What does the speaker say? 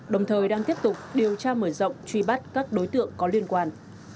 đồng thời đang tiếp tục điều tra mở rộng truy bắt các đối tượng có liên quan